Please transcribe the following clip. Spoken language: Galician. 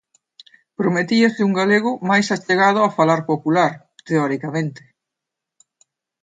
Prometíase un galego máis achegado ao falar popular, teoricamente.